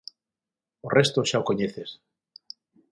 O resto xa o coñeces.